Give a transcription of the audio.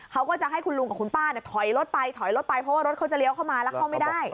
เขาก็จะให้คุณลุงกับคุณป้าเนี่ยถอยรถไปถอยรถไปเพราะว่ารถเขาจะเลี้ยวเข้ามาแล้วเข้าไม่ได้